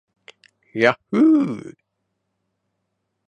yahhoo